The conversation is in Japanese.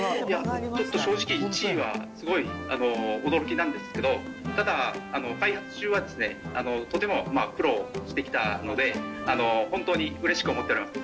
正直、１位はすごい驚きなんですけど、ただ、開発中はとても苦労してきたので、本当にうれしく思っております。